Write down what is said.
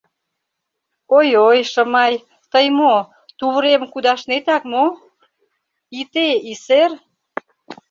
Ой-ой, Шымай, тый мо, тувырем кудашнетак мо, ите, исер!